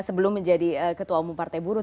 sebelum menjadi ketua umum partai buruh